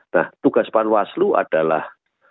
nah tugas panwaslu adalah